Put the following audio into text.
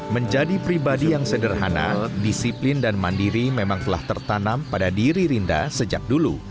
menjadi pribadi yang sederhana disiplin dan mandiri memang telah tertanam pada diri rinda sejak dulu